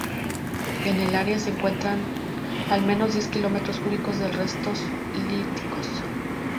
En el área se encuentran al menos diez kilómetros cúbicos de restos líticos.